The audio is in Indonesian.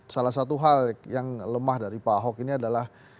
salah satu hal yang lemah dari pak ahok ini adalah